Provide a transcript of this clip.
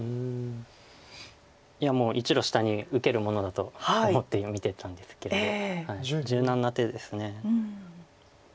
いやもう１路下に受けるものだと思って見てたんですけれど柔軟な手です。